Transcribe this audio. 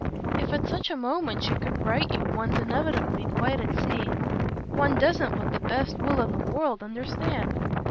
"If at such a moment she could write you one's inevitably quite at sea. One doesn't, with the best will in the world, understand."